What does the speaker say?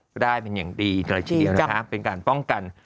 ก็ได้เป็นอย่างดีเป็นการป้องกัน